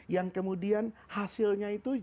yang kemudian hasilnya itu